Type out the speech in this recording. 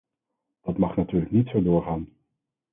Dat mag natuurlijk niet zo doorgaan.